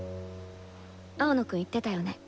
青野くん言ってたよね